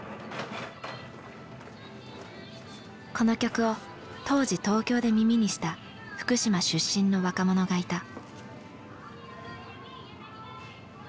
この曲を当時東京で耳にした福島出身の若者がいた。